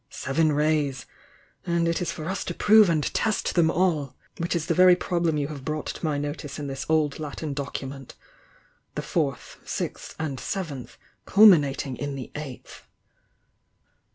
Seven Rays! — and it is for us to prove and test them all! — which is the very problem you have brought to my notice in this old Latin document: 'the Fourth, Sixth and Seventh, culminating in the Eighth.'